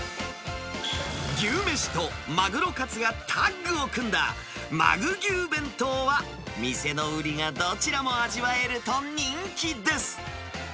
牛めしとマグロカツがタッグを組んだ、鮪牛弁当は、店の売りがどちらも味わえると人気です。